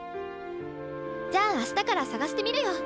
じゃあ明日から探してみるよ。